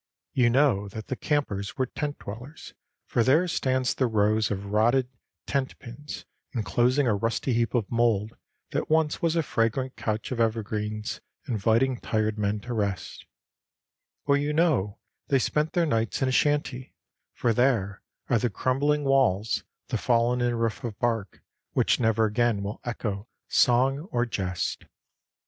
You know that the campers were tent dwellers, for there stand the rows of rotten tent pins inclosing a rusty heap of mould that once was a fragrant couch of evergreens inviting tired men to rest, or you know they spent their nights in a shanty, for there are the crumbling walls, the fallen in roof of bark which never again will echo song or jest.